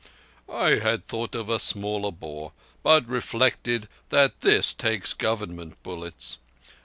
"I had thought of a smaller bore, but reflected that this takes Government bullets.